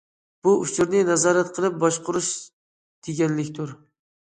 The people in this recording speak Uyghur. بۇ ئۇچۇرنى نازارەت قىلىپ باشقۇرۇش دېگەنلىكتۇر.